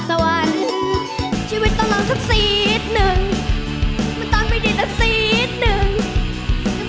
เป็นเจ้าหญิงรัมสิ้นของเช้าน่า